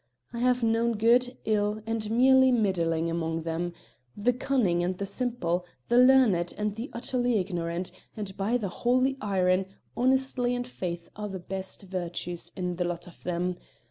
I have known good, ill, and merely middling among them, the cunning and the simple, the learned and the utterly ignorant, and by the Holy Iron! honesty and faith are the best virtues in the lot of them.